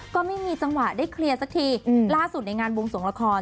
ก็ไม่มีจังหวะได้เคลียร์สักทีล่าสุดในงานวงสวงละคร